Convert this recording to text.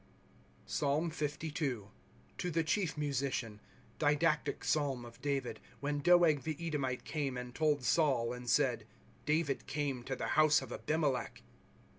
PSALM LIL To the chief Musician. Didactic [Paalm] of David, when Doeg tlic Edomite came and told Saul, and said : David came to the house of Aliimelech.